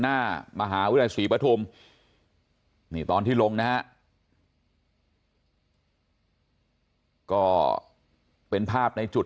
หน้ามหาวิทยาลัยศรีปฐุมนี่ตอนที่ลงนะฮะก็เป็นภาพในจุด